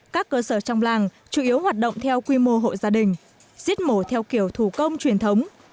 các cơ sở trong làng chủ yếu hoạt động theo quy mô hộ gia đình giết mổ theo kiểu thủ công truyền thống